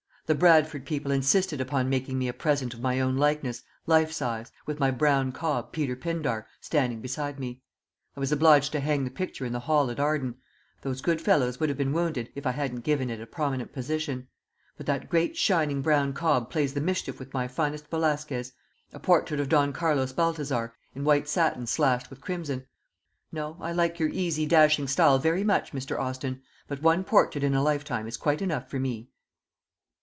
"The Bradford people insisted upon making me a present of my own likeness, life size, with my brown cob, Peter Pindar, standing beside me. I was obliged to hang the picture in the hall at Arden those good fellows would have been wounded if I hadn't given it a prominent position; but that great shining brown cob plays the mischief with my finest Velasquez, a portrait of Don Carlos Baltazar, in white satin slashed with crimson. No; I like your easy, dashing style very much, Mr. Austin; but one portrait in a lifetime is quite enough for me."